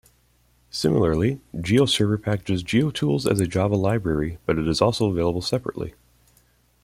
Similarly, GeoServer packages GeoTools as a Java library, but it is also available separately.